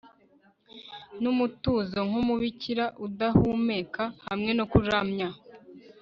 Numutuzo nkumubikira udahumeka hamwe no kuramya